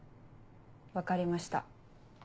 分かりました。